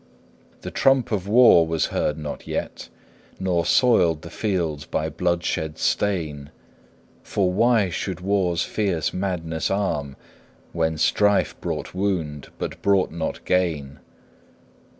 The trump of war was heard not yet, Nor soiled the fields by bloodshed's stain; For why should war's fierce madness arm When strife brought wound, but brought not gain?